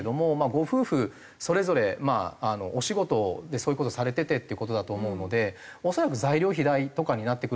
ご夫婦それぞれお仕事でそういう事をされていてっていう事だと思うので恐らく材料費代とかになってくると思うんですね。